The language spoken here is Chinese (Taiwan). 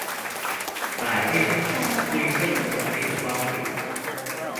買衛生紙對生存沒有幫助